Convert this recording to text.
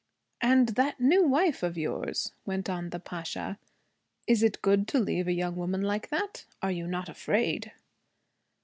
'And that new wife of yours,' went on the Pasha. 'Is it good to leave a young woman like that? Are you not afraid?'